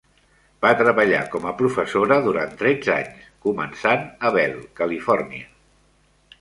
Va treballar com a professora durant tretze anys, començant a Bell, Califòrnia.